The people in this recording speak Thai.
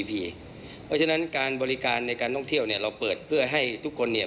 เพราะฉะนั้นการบริการในการท่องเที่ยวเนี่ยเราเปิดเพื่อให้ทุกคนเนี่ย